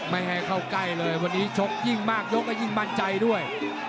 ไม่ให้เข้าใกล้เลยวันนี้ชกยิ่งมากยกก็ยิ่งมั่นใจด้วย